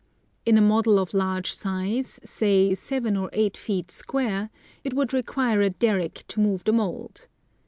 In a model of large size — say seven or eight feet square — it would require a derrick to move the mould.